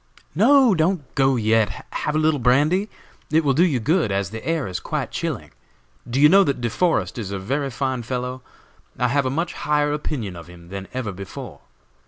"No, don't go yet; have a little brandy? It will do you good, as the air is quite chilling. Do you know that De Forest is a very fine fellow? I have a much higher opinion of him than ever before."